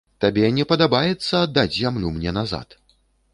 Табе не падабаецца аддаць зямлю мне назад.